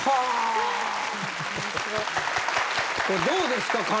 どうですか？